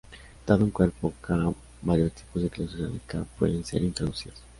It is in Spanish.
Dado un cuerpo "k", varios tipos de clausura de "k" pueden ser introducidas.